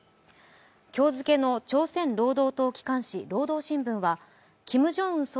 今日付けの朝鮮労働党機関紙「労働新聞」はキム・ジョンウン